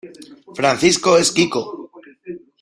Francisco es quico.